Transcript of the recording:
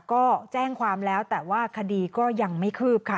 ก็แจ้งความแล้วแต่ว่าคดีก็ยังไม่คืบค่ะ